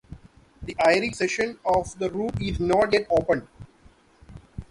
The Irish section of the route is not yet open.